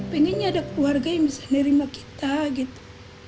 pengennya ada keluarga yang bisa nerima kita gitu